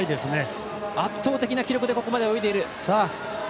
圧倒的な記録でここまで泳いでいる。